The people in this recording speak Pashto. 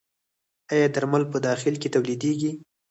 آیا درمل په داخل کې تولیدیږي؟